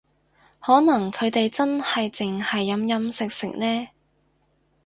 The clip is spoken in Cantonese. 可能佢哋真係淨係飲飲食食呢